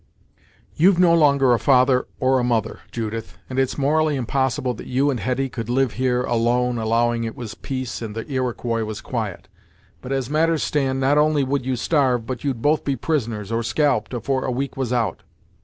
You've no longer a father, or a mother, Judith, and it's morally unpossible that you and Hetty could live here, alone, allowing it was peace and the Iroquois was quiet; but, as matters stand, not only would you starve, but you'd both be prisoners, or scalped, afore a week was out.